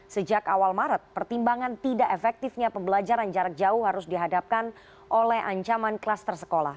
sejak awal maret pertimbangan tidak efektifnya pembelajaran jarak jauh harus dihadapkan oleh ancaman klaster sekolah